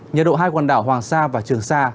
nhiệt độ hai quần đảo hoàng sa và trường sa